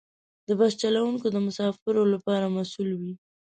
د بس چلوونکي د مسافرو لپاره مسؤل وي.